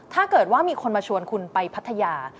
ถ้าเกิดว่ามีคนมาชวนคุณไปพัทยา